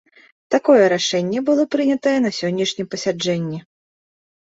Такое рашэнне было прынятае на сённяшнім пасяджэнні.